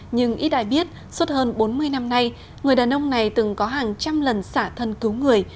nhưng ít ai biết suốt hơn bốn mươi năm nay người đàn ông này từng có hàng trăm lần xả thân cứu người